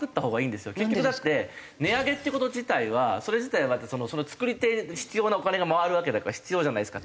結局値上げっていう事自体はそれ自体は作り手に必要なお金が回るわけだから必要じゃないですか。